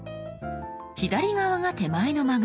左側が手前のマグロ。